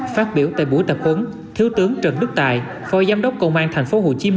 phát biểu tại buổi tập huấn thiếu tướng trần đức tài phó giám đốc công an tp hcm